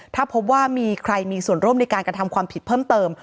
ถ้าพบว่ามีใครมีส่วนร่วมในการกระทำความผิดเพิ่มเติม